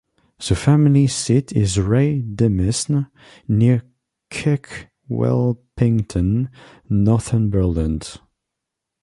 The family seat is Ray Demesne, near Kirkwhelpington, Northumberland.